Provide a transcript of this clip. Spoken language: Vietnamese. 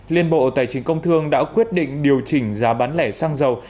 liên bộ tài chính công thương đã quyết định điều chỉnh giá bán lẻ xăng dầu